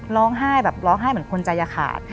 ร้องไห้เหมือนคนใจยาขาด